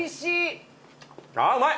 あうまい！